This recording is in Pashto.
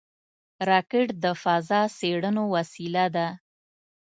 راکټ د فضا څېړنو وسیله ده